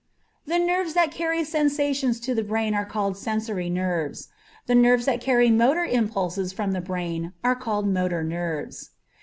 The nerves that carry sensations to the brain are called Sensory Nerves. The nerves that carry motor impulses from the brain are called Motor Nerves.